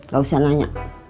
gak usah nanya